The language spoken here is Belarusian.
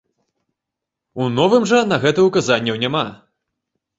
У новым жа на гэта указанняў няма.